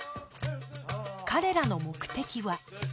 彼らの目的は